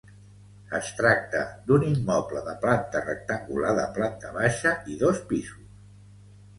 Es tracta d'un immoble de planta rectangular de planta baixa i dos pisos.